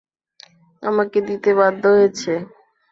আমাকে দিতে বাধ্য হয়েছে!